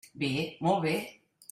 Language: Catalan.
Bé, molt bé.